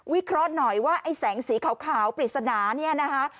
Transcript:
เคราะห์หน่อยว่าไอ้แสงสีขาวปริศนาเนี่ยนะคะ